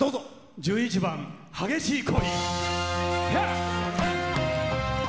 １１番「激しい恋」。